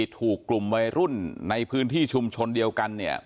ถูกกลุ่มวัยรุ่นในพื้นที่ชุมชนเดียวกันเนี่ย